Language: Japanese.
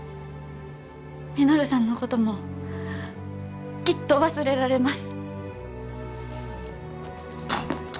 稔さんのこともきっと忘れられます。